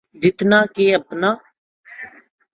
جتنا کہ اپنا۔